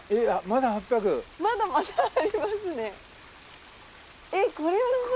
まだまだありますね。